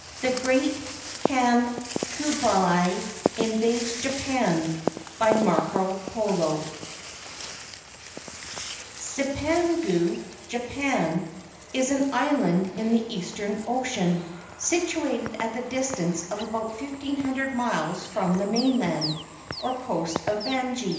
THE GREAT KHAN KUBLAI INVADES JAPAN BY MARCO POLO ZiPANGU [Japan] is an island in the eastern ocean, situ ated at the distance of about fifteen hundred miles from the mainland, or coast of Manji.